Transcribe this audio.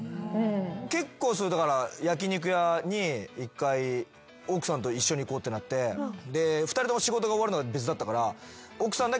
結構焼き肉屋に１回奥さんと一緒に行こうってなって２人とも仕事が終わるのが別だったから。